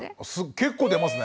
結構出ますね。